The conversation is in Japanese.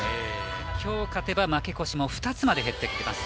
きょう勝てば負け越しも２つまで減っていきます。